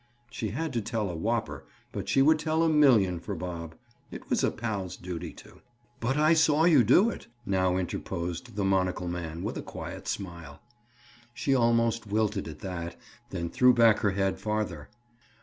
She had to tell a whopper; but she would tell a million for Bob. It was a pal's duty to. "But I saw you do it," now interposed the monocle man with a quiet smile. She almost wilted at that, then threw back her head farther.